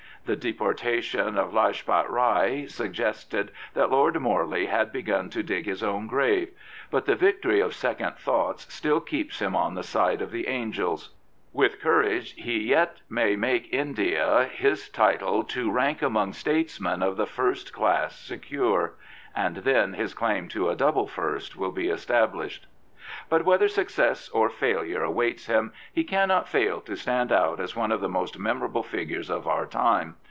The deportation of Lajpat Rai suggested that Lord Morley haSTbegun to dig his own grave; but the victory of second thoughts still keeps him on the side of the angels. With courage he may yet make India his title to rank among statesmen of the first class secure. And then his claim to a " double first " will be established. But whether success or failure awaits him, he can not fail to stand out as one of the most memorable figures of our time.